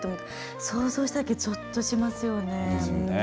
想像しただけでぞっとしますよね。